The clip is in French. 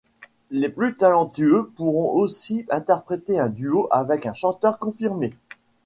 Les plus talentueux pourront aussi interpréter un duo avec un chanteur confirmé.